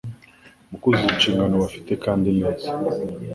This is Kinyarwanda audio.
mu kuzuza inshingano bafite kandi neza